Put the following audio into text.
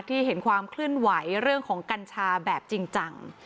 เห็นความเคลื่อนไหวเรื่องของกัญชาแบบจริงจัง